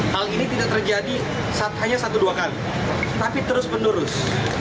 hal ini tidak terjadi hanya satu dua kali tapi terus menerus